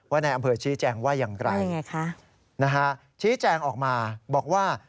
ในอำเภอชี้แจงว่าอย่างไรคะนะฮะชี้แจงออกมาบอกว่า